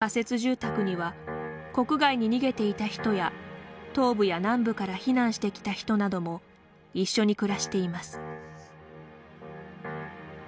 仮設住宅には国外に逃げていた人や東部や南部から避難してきた人なども一緒に暮らしています。